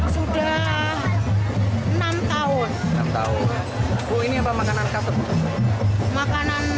satu ekor rp lima puluh